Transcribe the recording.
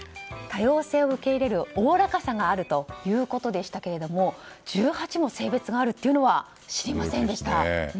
多様性を受け入れるおおらかさがあるということでしたけども１８も性別があるのは知りませんでした。